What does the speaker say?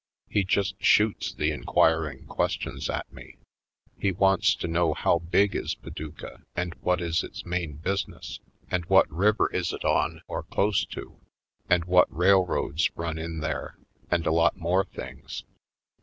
He just shoots the inquiring questions at me. He wants to know how big is Paducah and what is its main busi ness, and what river is it on or close to, and what railroads run in there, and a lot more things.